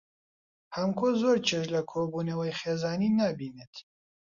حەمکۆ زۆر چێژ لە کۆبوونەوەی خێزانی نابینێت.